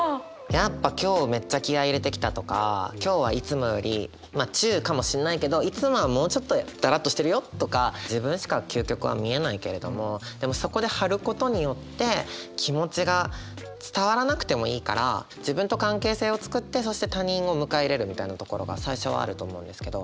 やっぱ今日めっちゃ気合い入れてきたとか今日はいつもよりまあ中かもしんないけどいつもはもうちょっとだらっとしてるよとか自分しか究極は見えないけれどもでもそこで張ることによって気持ちが伝わらなくてもいいから自分と関係性を作ってそして他人を迎え入れるみたいなところが最初はあると思うんですけど。